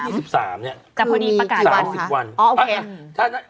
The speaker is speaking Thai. คือวันที่๒๓เนี่ย